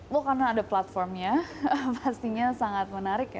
bukan ada platformnya pastinya sangat menarik ya